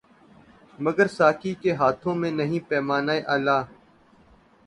مگر ساقی کے ہاتھوں میں نہیں پیمانۂ الا